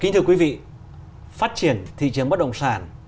kính thưa quý vị phát triển thị trường bất động sản